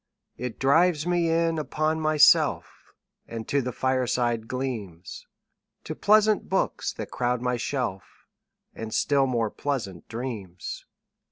It drives me in upon myself 5 And to the fireside gleams, To pleasant books that crowd my shelf, And still more pleasant dreams.